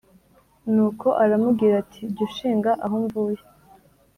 nuko aramubwira ati :jya ushinga aho mvuye :